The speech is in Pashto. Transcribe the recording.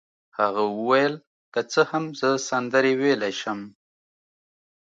هغه وویل: که څه هم زه سندرې ویلای شم.